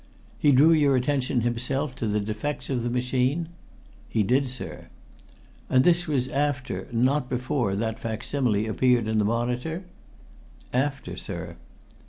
"He drew your attention himself to the defects of the machine?" "He did, sir." "And this was after not before that facsimile appeared in the Monitor?" "After, sir."